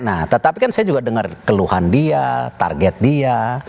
nah tetapi kan saya juga dengar keluhan dia target dia